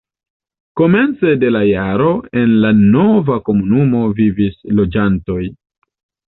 Komence de la jaro en la nova komunumo vivis loĝantoj.